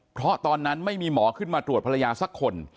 เพราะตอนนั้นไม่มีหมอขึ้นมาตรวจภรรยาสักคน